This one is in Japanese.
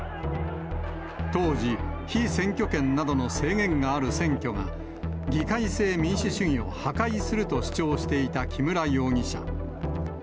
当時、被選挙権などの制限がある選挙が議会制民主主義を破壊すると主張していた木村容疑者。